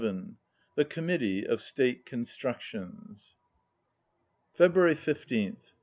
94 THE COMMITTEE OF STATE CONSTRUCTIONS February 15th.